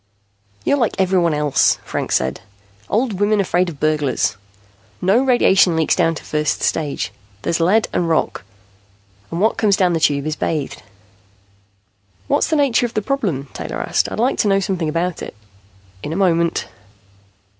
"You're like everyone else," Franks said. "Old women afraid of burglars. No radiation leaks down to first stage. There's lead and rock, and what comes down the Tube is bathed." "What's the nature of the problem?" Taylor asked. "I'd like to know something about it." "In a moment."